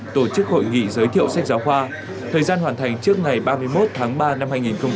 tổ chức hội nghị giới thiệu sách giáo khoa thời gian hoàn thành trước ngày ba mươi một tháng ba năm hai nghìn hai mươi